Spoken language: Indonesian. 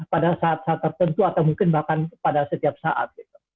pada saat saat tertentu atau mungkin bahkan pada setiap saat